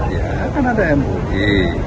ya kan ada mui